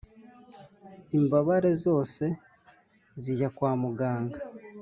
imbabare zose zijya kwa muganga